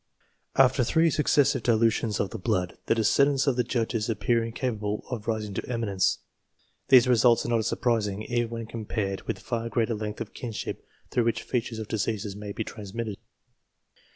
After three successive dilutions of the blood, the descend ants of the Judges appear incapable of rising to eminence. These results are not surprising even when compared with the far greater length of kinship through which features or diseases may be transmitted.